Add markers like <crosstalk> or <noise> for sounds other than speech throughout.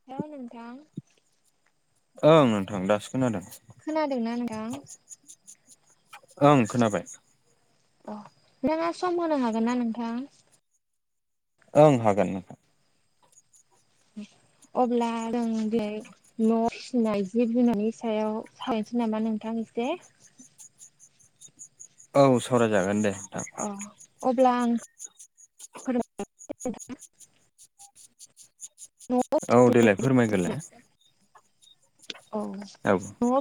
<unintelligible> ओं नोंथां दासो खोनादों। खोनादोंना नोंथां? ओं खोनाबाय। अ नोंथांङा सम होनो हागोन ना नोंथां? ओं हागोन नोंथां। अब्ला जों दिनै न' जिनाय जिब जुनारनि सायाव सावायनोसै नामा नोंथां एसे? औ सराय जागोन दे नोंथां। अ अब्ला आं न'आव औ फिसिनाय देलाय फोरमाय गोरलाय। औ औ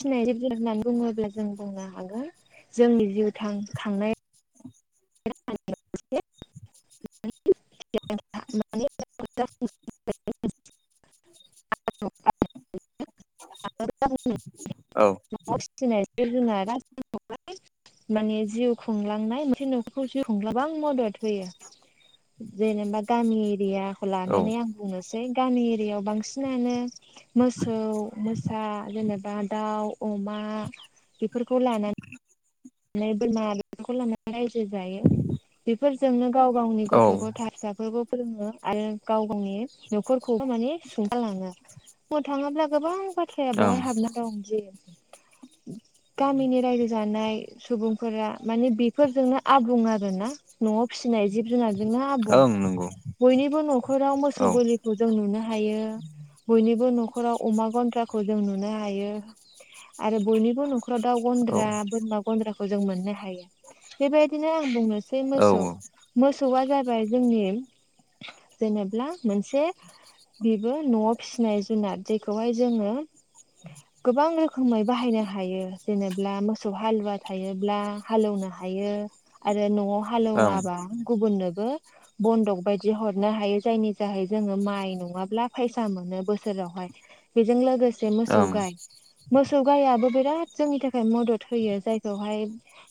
फिनाय जिब जुनार होननानै बुङोब्ला जों बुंनो हागोन। जोंनि जिउ थां खांनाय <unintelligible> <unintelligible> औ न'आव फिनाय जिब जुनारा <unintelligible> माने जिउ खुंलांनाय मोनसे न'खर जिउ खुं <unintelligible> गोबां मदद होयो। जेनेबा गामि एरियाखौ औ लानानै आं बुंनोसै गामि एरियाायाव बांसिनानो मोसौ, मोसा जेनेबा दाउ, अमा बेफोरखौ ला नै बोरमा बेफोरखौ लानानै रायजो जायो। बेफोरजोंनो गाव गावनि औ गथ' गथ ओं फिसाफोरखौ फोरोङो। आरो गाव गावनि न'खरखौबो माने सुंथा लाङो। बु थाङोब्ला गोबां बाथ थ्राया बावहाय हाबना दं। जे गामिनि रायजो जानाय सुबुंफोरा माने बेफोरजोंनो आबुं आरो ना न'आव फिनाय जिब जोङा जोंनो आबुं ओं नंगौ बयनिबो न'खराव मोसौ औ गलि खौ जों नुनो हायो। बयनिबो न'खराव अमा गन्द्राखौ जों नुनो हायो। आरो बयनिब बो न'खराव दाउ औ गन्द्रा, बोरमा गन्द्राखौ जों मोननो हायो‌। बेबायदिनो <unintelligible> सै औ मोसौ ओं मोसौआ जाबाय जोंनि जेनेब्ला मोनसे बेबो न'आव फिनाय जुनाद जेखौहाय जोङो गोबां रोखोमै बाहायनो हायो। जेनेब्ला मोसौ हालुवा थायोब्ला हालौनो हायो। आरो न'आव हालौवाबा गुबुननोबो बन्दक बायदि हरनो हायो। जायनि जाहै जोङो माइ नङाब्ला फायसा मोनो बोसोरावहाय। बेजों लोगोसे मोसौ ओं गाय मोसौ गायाबो बिराद जोंनि थाखाय मदद होयो। जाय खौहाय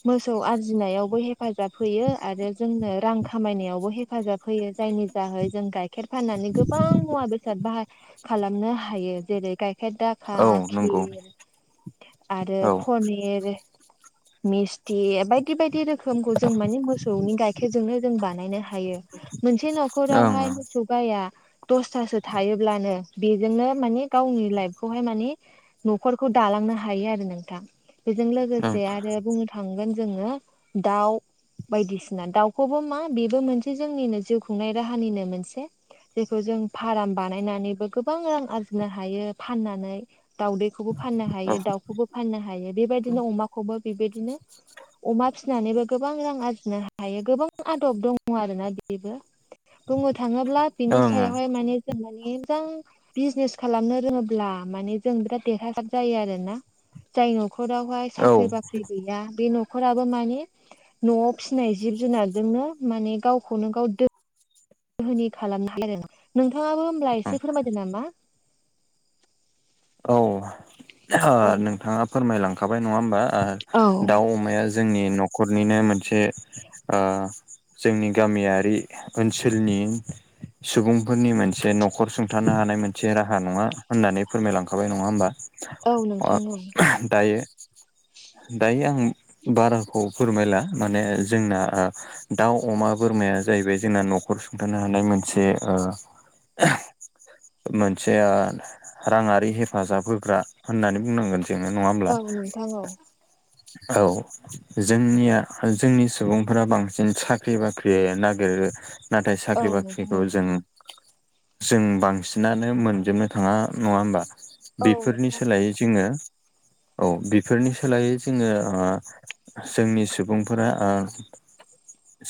मोसौ आरजिनायावबो हेफाजाब होयो। आरो जोंनो रां खामायनायावबो हेफाजाब होयो। जायनि दाहै जों गाय खेर फाननानै गोबां मुवा बेसाद बाहा खालामनो हायो। जेरै गाइखेर दाख खा औ नंगौ खिर आरो औ पनिर मिस्थि बायदि बायदि रोखोमखौ जों माने मोसौनि गाइखेरजोंनो जों बानायनो हायो। मोनसे ओं न'खरावहाय मो सौ गाया दसथासो थायोब्लानो बेजोंनो माने गावनि लाइफखौहाय माने न'खरखौ दालांनो हायो आरो नोंथां। बेजों ओं लोगोसे आरो बुंनो था थांगोन जोङो दाउ बायदिसिना दाउखौबो मा बेबो मोनसे जोंनिनो जिउ खुंनाय राहानिनो मोनसे जेखौ जों फाराम बानायनानैबो गोबां रां आरजिनो हायो फाननानै। दाउदैखौबो फाननो ओं हायो। दाउखौबो फाननो हायो। बेबायदिनो अमाखौबो बेबायदिनो अमा फिनानैबो गोबां रां आरजिनो हायो। गोबां आदब दङ आरो ना बेबो। बुंनो थाङोब्ला बिनि सायावहाय माने जों माने मोजां बिजिनेस खालामनो रोङोब्ला माने जों बिराद देरहासार जायो आरो ना। जाय न'खरावहाय ओं साख्रि बाख्रि गैया बे न'खराबो माने न'आव फिनाय जिब जुनारजोंनो माने गावखौनो गाव दो होनि खालामनो हायो आरो ना। नोंथाङाबो होमब्ला एसे फोरमायदो नामा। औ ओ औ नोंथाङा फोरमाय लांखाबाय नङा होमबा। ओ औ दाउ, अमाया जोंनि न'खरनिनो मोनसे ओ जोंनि गामियारि ओनसोलनि सुबुंफोरनि मोनसे न'खर सुंथानो हानाय मोनसे राहा नङा होननानै फोरमायलां खाबाय नंङा होमबा? अ नोंथां औ दायो दायो आं बाराखौ फोरमायला माने जोंना ओ दाउ अमा बोरमाया जाहैबाय जोंना न'खर सुंथानो हानाय मोनसे ओ मोनसे ओ रांङारि हेफाजाब होग्रा होननानै बुंनांगोन जोंङो नंङा होमब्ला औ नोंथां औ औ जोंनिया जोंनि सुबुंफोरा बांसिन साख्रि बाख्रि नागिरो। नाथाय औ साख्रि नोंथां बाख्रिखौ जों जों बांसिनानो मोनजोबनो थांङा नंङा होमबा। औ बेफोरनि नोंथां सोलायै जोंङो औ बेफोरनि सोलायै जोंङो ओ जोंनि सुबुंफोरा ओ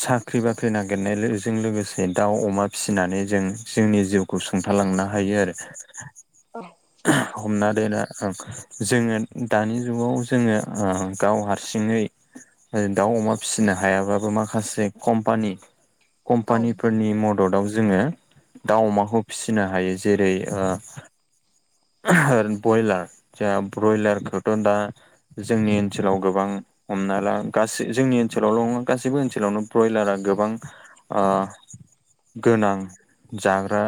साख्रि बाख्रि नागिरनायजों लोगोसे दाउ अमा फिसिनानै जों जोंनि जिउ खौ सुंथालांनो हायो आरो। औव हमना दोनो ओ जोंङो दानि जुगाव जोंङो ओ गाव हारसिंङै ओ दाउ अमा फिसिनो हायाबाबो माखासे कम्पानि औ कम्पानिफोरनि मददाव जोंङो दाउ अमाखौ फिसिनो हायो जेरै ओ ओ ब्रयलार जोंहा ब्रयलारखौथ' दा जोंनि ओनसोलाव गोबां हमना ला गासै जोंनि ओनसोलावल' नंङा गासैबो ओनसोलावनो ब्रयलारा गोबां ओ गोनां जाग्रा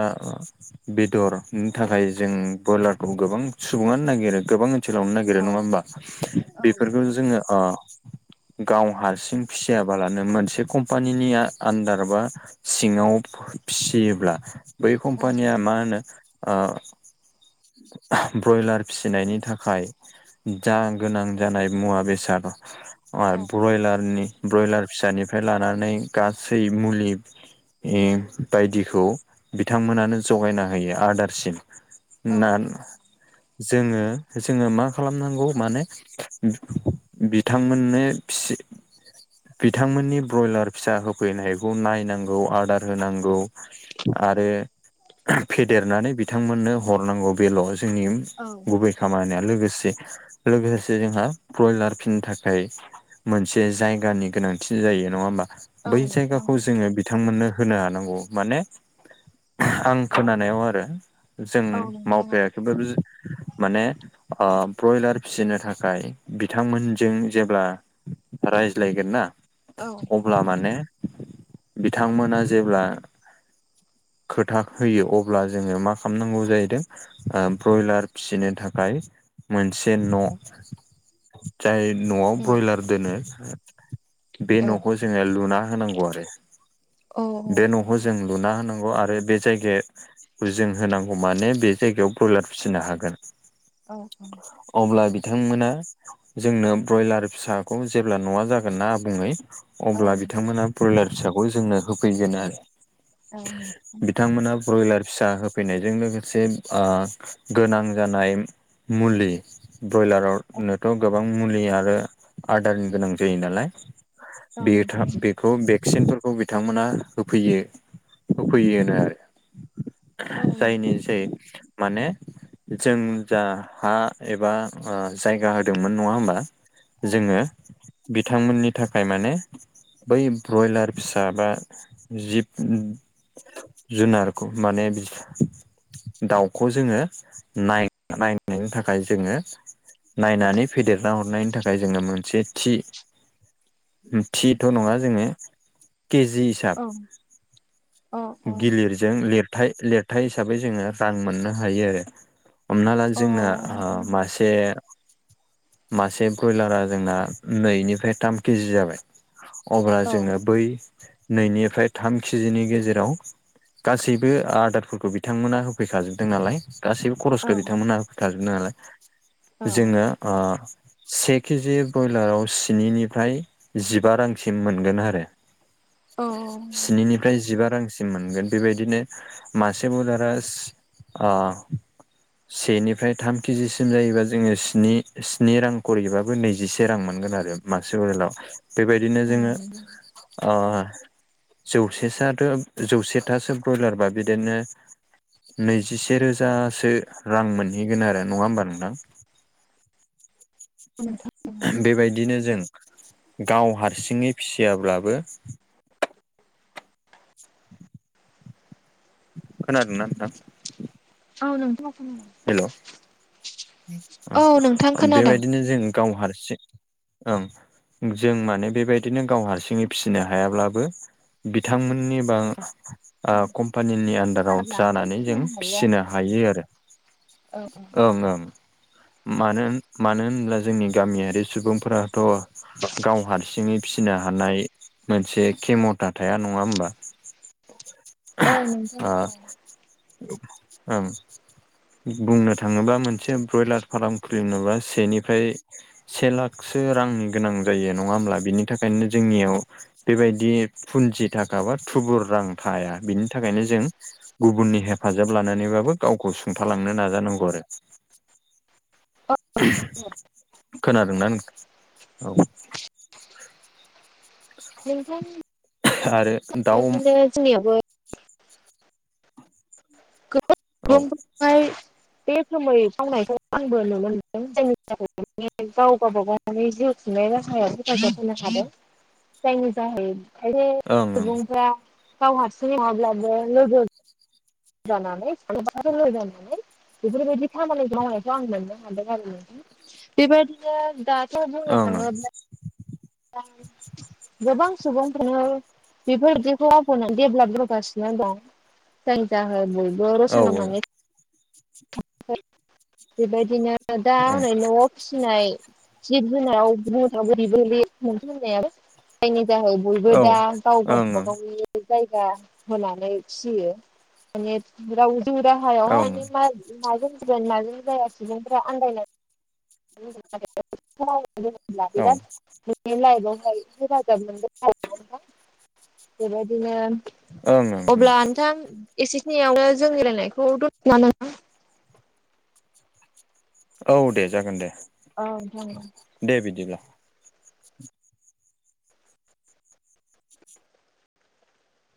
बेदरनि थाखाय जों ब्रयलारखौ गोबां सुबुङानो नागिरो गोबां ओनसोलावनो नागिरा औ नंङा होमबा औ बेफोरखौ जोंङो ओ गाव हारसिं फिसियाबालानो मोनसे कम्पानिनि आन्दार बा सिंङाव फिसियोब्ला बै नोंथां कम्पानिया मा होनो ओ ब्रयलार फिसिनायनि थाखाय जा गोनां जानाय मुवा बेसाद ओ औ ब्रयलारनि ब्रयलार फिसानिफ्राय लानानै गासै मुलि बायदिखौ बिथांमोनानो जगायना होयो आदारसिम औ ना जोंङो जोंङो मा खालामनांगौ माने- बिथांमोननो फिसि- बिथांमोननि ब्रयलार फिसा होफैनायखौ नायनांगौ आदार होनांगौ आरो फेदेरनानै बिथांमोननो हरनांगौ बेल' जोंनि औ गुबै खामानिया लोगोसे लोगोसे जोंहा ब्रयलार फिनो थाखाय मोनसे जायगानि गोनांथि जायो नंङा होमबा औ बै नोंथां जायगाखौ जोंङो। बिथांमोननो होनो हानांगौ माने आं खोनानायाव आरो। जों औ नोंथां मावफेरयाखैबो माने ब्रयलार फिसिनो थाखाय बिथांमोनजों जेब्ला रायस लायगोन ना।? औ अब्ला माने बिथांमोना जेब्ला खोथा होयो अब्ला जोंङो मा। खालामनांगौ जाहैदों ब्रयलार फिसिनो थाखाय मोनसे न' जाय न'आव ब्रयलार दोनो बे न'खौ जोंङो लुना होनांगौ आरो उम बे न' जों लुना होनांगौ आरो बे जायगाखौ जों होनांगौ माने बे जायगायाव बुलार फिसिनो हागोन। औ औ अब्ला बिथांमोना जोंनो ब्रयलार फिसाखौ जेब्ला न'आ जागोन नना आबुङै औ अब्ला बिथांमोना ब्रयलार फिसाखौ जोंनो होफैगोन आरो। औ नोंथां औ बिथांमोना ब्रयलार फिसा हो फैनायजों लोगोसे ओ गोनां जानाय मुलि नोंथां ब्रयलारानोथ' गोबां मुलि आरो आदारनि गोनां जायो नालाय। औ नोंथां औ बे था बेखौ भेक्सिनफोर खौ बिथांमोना होफैयो, होफैयोनो आरो। जायनि जाय माने जों जा हा एबा जायगा होदोंमोन नङा होमबा? जोङो बिथांमोननि थाखाय माने बै ब्रयलार फिसा बा जिब जुनारखौ माने दाउखौ जोङो नाय नायनायनि थाखाय जोङो नायनानै फेदेरना हरनायनि थाखाय जोङो मोनसे थि थिथ' नङा जोङो केजि हिसाब गिलिरजों लिरथाय लिर थाय हिसाबै जोङो रां मोननो हायो आरो। हमना ला जोंना मासे मासे ब्रयलारा जोंना नैनिफ्राय थाम केजि जाबाय अब्ला जोङो बै नैनिफ्राय थाम केजिनि गेजेराव गासैबो आदार फोरखौ बिथांमोना होफैखाजोबदों नालाय। गासैबो खरसखौ बिथांमोना होफैखाजोबदों नालाय। जोङो ओ से केजि ब्रयलाराव स्निनिफ्राय जिबा रांसिम मोनगोन आरो। औ स्निनिफ्राय जिबा रांसिम मोनगोन बेबायदिनो मासे ब्रयलारा सि ओ सेनिफ्राय थाम केजिसिम जायोबा जोङो स्नि रां खरिबाबो नैजिसे रां मोनगोन आरो मासे ब्रयलाराव। बेबायदिनो जोङो अ जौसेसाथ' जौसेथासो ब्रयलारबा बि दिनो नैजिसे रोजासो रां मोनहैगोन आरो नङा होमबा नोंथां? औ नोंथां। बेबायदिनो जों गाव हारसिङै फिसियाब्लाबो खोनादोंना नोंथां? औ नोंथां औ। हेल' औ औ नोंथां खोनादों बेबायदिनो जों गाव हारसिं ओं जों माने बेबायदिनो गाव हारसिङै फिसिनो हायाब्लाबो बिथांमोननि बा कम्पानिनि आन्दाराव हेफाजाब लानानै जानानै जों फिसिनो हायो फिसिनो आरो हायो आरो। ओ ओं ओं मानो मानो होनब्ला जोंनि गामियारि सुबुंफोरा थ' गाव हारसिङै फिसिनो हानाय मोनसे खेमथा थाया, नङा होमबा? औ औ नोंथां ओ ओम बुंनो थाङोबा मोनसे ब्रयलार फार्म खुलिनोबा सेनिफ्राय से लाखसो रांनि गोनां जायो नङा होमब्ला बिनि थाखायनो जोंनियाव बेबायदि फुन्जि थाखा बा थुबुर रां थाया। बिनि थाखायनो जों गुबुननि हेफाजाब लानानैबाबो गावखौ सुंथालांनो नाजानांगौ आरो। खोनादोंना नों? औ। <inaudible> आरो बे दाउ बिदिनो जोंनियावबो औ ओं <unintelligible> बे रोखोमै मावनायखौ आंबो नुनो मोनदों जोंनि <unintelligible> माने गाव गबागाव माने जिउ खुंनाय राहाया हेफाजाब होनो हादों। जायनि जाहै खायसे ओं ओं सुबुंफोरा गाव हारसिं नङाब्लाबो लोगो जानानै जानानै बेफोरबायदि खामानिखौ मावनायखौ आं मोननो हादों आरो नोंथां। बेबायदिनो दाथ' बुंनो ओं थाङोब्ला गोबां सुबुंफोरनो बेफोरबायदिखौ मावनानै डेभलप जोगासिनो दं। जाय थाखाय रावबो रसा औ नांनानै बेबायदिनो दा ओं हनै न'आव फिसिनाय जिब जुनार दाउ बुंनो थांब्ला बेबो बे <unintelligible> होननायाबो जायनि जाहै बयबो औ दा गाव गाव ओं गावब ओं गावनि जायगा होनानै फियो माने राव जिउ ओं राहायावहाय माने औ मा माजों सिगोन माजों जाया सुबुंफोर आन्दायना <unintelligible> नोंनि ओं लाइफआवहाय हेफाजाब मोनगोन आरोना बेबायदिनो अब्ला नोंथां एसेखिनियावनो जोंनि रायलायनायखौ दथ'नोसै नामा नोंथां। औ दे जागोन दे औ नोंथां औ दे बिदिब्ला